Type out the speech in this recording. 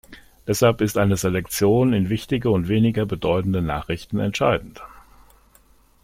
Deshalb ist eine Selektion in wichtige und weniger bedeutende Nachrichten entscheidend.